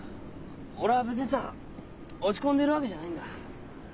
俺は別にさ落ち込んでるわけじゃないんだ。